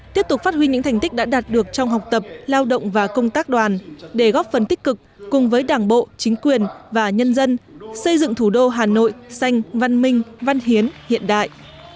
tiếp tục phát huy những thành tích đã đạt được trong học tập lao động và công tác đoàn để góp phần tích cực cùng với đảng bộ chính quyền và nhân dân xây dựng thủ đô hà nội xanh văn minh văn hiến hiện đại